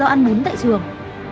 do ăn bún tại trường